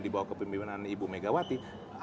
di bawah kepemimpinan ibu megawati